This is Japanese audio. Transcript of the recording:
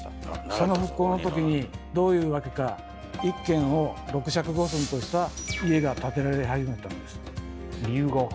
その復興のときにどういうわけか１間を６尺５寸とした家が建てられ始めたんです。